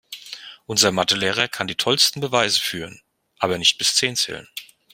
Unser Mathe-Lehrer kann die tollsten Beweise führen, aber nicht bis zehn zählen.